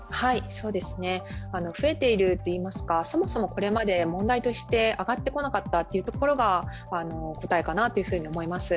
増えているといいますか、そもそもこれまで問題として上がってこなかったところが答えかなと思います。